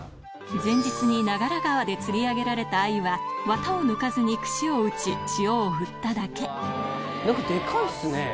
前日に長良川で釣り上げられた鮎はわたを抜かずに串を打ち塩を振っただけなんかでかいですね。